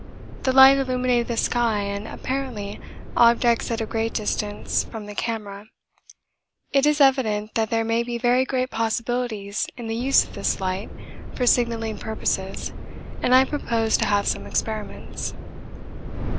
The light illuminated the sky and apparently objects at a great distance from the camera. It is evident that there may be very great possibilities in the use of this light for signalling purposes and I propose to have some experiments.